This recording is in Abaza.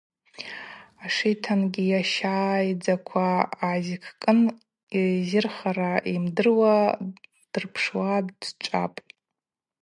Ашитангьи ащайдзаква гӏазикӏкӏын йырзихара йымдыруа дырпшуа дчӏвапӏ.